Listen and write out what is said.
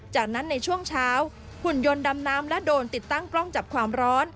จากนั้นในช่วงเช้าหุ่นยนต์ดำน้ำและโดรนติดตั้งกล้องจับความร้อน